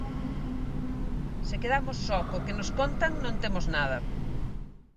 Se quedamos só co que nos contan, non temos nada.